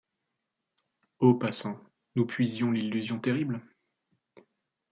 O passant, nous puisions l’illusion terrible ?